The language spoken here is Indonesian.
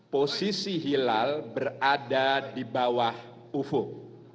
posisi hilal berada di bawah ufuk